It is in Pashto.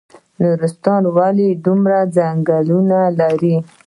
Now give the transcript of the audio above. نورستان ولې دومره ځنګلونه لري؟